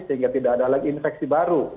sehingga tidak ada lagi infeksi baru